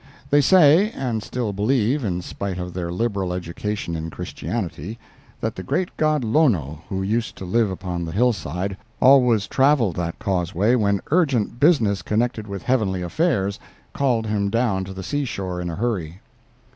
They say (and still believe, in spite of their liberal education in Christianity), that the great god Lono, who used to live upon the hillside, always traveled that causeway when urgent business connected with heavenly affairs called him down to the seashore in a hurry.